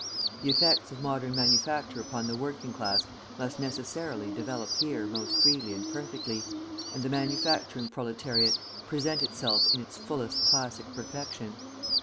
The effects of modern manufacture upon the working class must necessarily develop here most freely and perfectly, and the manufacturing proletariat present itself in its fullest classic perfection.